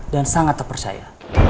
dan sangat terpercaya